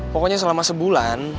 pokoknya selama sebulan